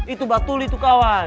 itu batul itu kawan